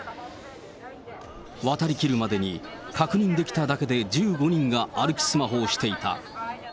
渡りきるまでに、確認できただけで１５人が歩きスマホをしていた。